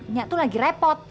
nya tuh lagi repot